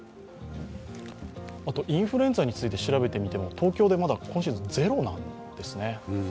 インフルエンザについて調べてみても東京ではまだ今シーズン、０なんですね。